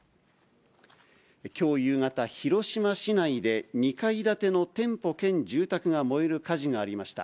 きょう夕方、広島市内で２階建ての店舗兼住宅が燃える火事がありました。